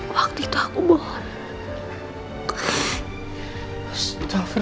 waktu itu aku bohong